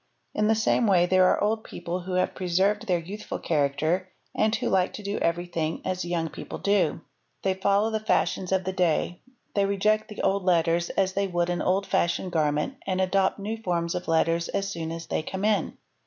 In the same way there are old people who have preserved their youthtu! character and who like to do everything as young people do: 30 234 THE EXPERT _ they follow the fashions of the day; they reject the old letters as they would an old fashioned garment and adopt new forms of letters as soon as they come in.